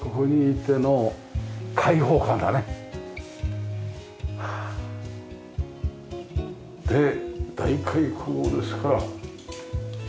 で大開口ですから庇がね。